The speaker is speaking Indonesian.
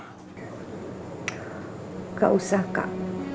tidak usah kak